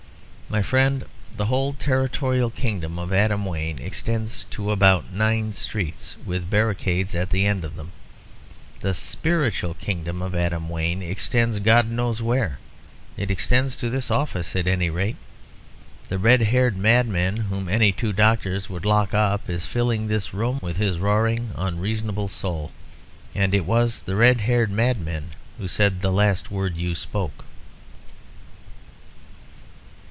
My friend, the whole territorial kingdom of Adam Wayne extends to about nine streets, with barricades at the end of them. But the spiritual kingdom of Adam Wayne extends, God knows where it extends to this office, at any rate. The red haired madman whom any two doctors would lock up is filling this room with his roaring, unreasonable soul. And it was the red haired madman who said the last word you spoke."